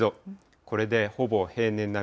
これでほぼ平年並み。